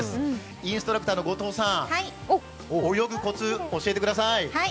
インストラクターの後藤さん泳ぐコツ教えてください。